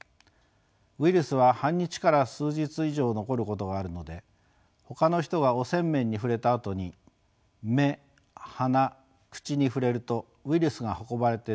ウイルスは半日から数日以上残ることがあるのでほかの人が汚染面に触れたあとに目鼻口に触れるとウイルスが運ばれて伝播します。